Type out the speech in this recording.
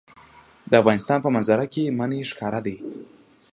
د افغانستان په منظره کې منی ښکاره ده.